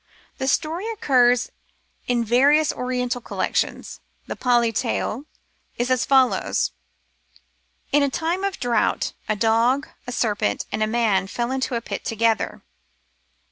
The story occurs in various Oriental collections. The PMi tale is as follows :— In a time of drought, a dog, a serpent, and a man fell into a pit together.